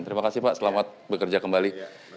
terima kasih pak selamat bekerja kembali